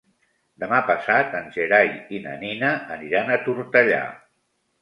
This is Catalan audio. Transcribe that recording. Demà passat en Gerai i na Nina aniran a Tortellà.